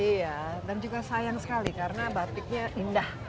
iya dan juga sayang sekali karena batiknya indah